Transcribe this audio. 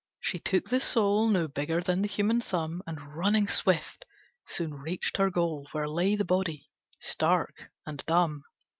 She took the soul, No bigger than the human thumb, And running swift, soon reached her goal, Where lay the body stark and dumb.